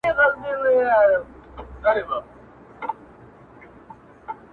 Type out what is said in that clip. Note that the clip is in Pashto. د رسمي مجلس څخه